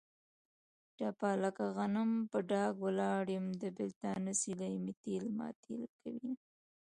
ټپه: لکه غنم په ډاګ ولاړ یم. د بېلتانه سیلۍ مې تېل ماټېل کوینه.